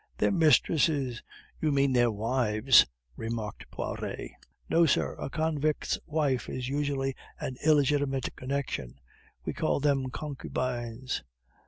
"Their mistresses! You mean their wives," remarked Poiret. "No, sir. A convict's wife is usually an illegitimate connection. We call them concubines."